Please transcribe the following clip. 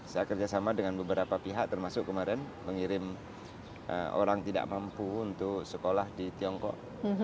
saya kerjasama dengan beberapa pihak termasuk kemarin mengirim orang tidak mampu untuk sekolah di tiongkok